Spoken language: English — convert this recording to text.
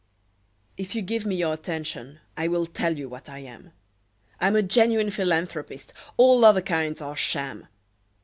If you give me your attention, I will tell you what I am: I'm a genuine philanthropist all other kinds are sham.